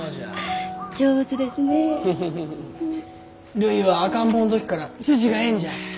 るいは赤ん坊の時から筋がええんじゃ。